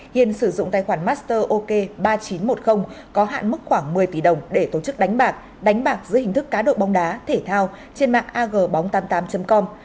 hiền sử dụng tài khoản masterok ba nghìn chín trăm một mươi có hạn mức khoảng một mươi tỷ đồng để tổ chức đánh bạc dưới hình thức cá độ bóng đá thể thao trên mạng agbong tám mươi tám com